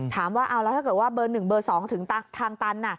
ถามว่าเอาแล้วถ้าเกิดว่าเบอร์๑เบอร์๒ถึงทางตัน